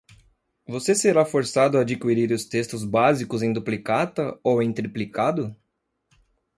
Você será forçado a adquirir os textos básicos em duplicata ou em triplicado?